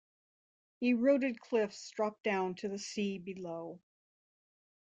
Eroded cliffs drop down to the sea below.